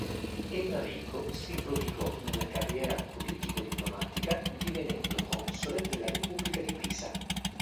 Enrico si prodigò nella carriera politico-diplomatica divenendo console della repubblica di Pisa.